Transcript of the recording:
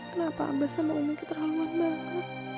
kenapa abah sama umi keterlaluan banget